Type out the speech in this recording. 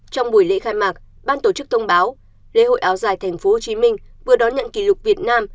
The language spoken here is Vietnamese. trong buổi lễ khai mạc ban tổ chức thông báo lễ hội áo dài tp hcm vừa đón nhận kỷ lục việt nam